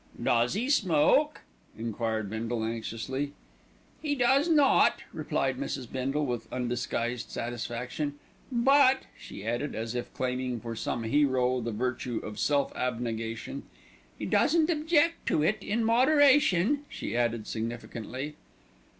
"Does 'e smoke?" enquired Bindle anxiously. "He does not," replied Mrs. Bindle with undisguised satisfaction; "but," she added, as if claiming for some hero the virtue of self abnegation, "he doesn't object to it in moderation," she added significantly.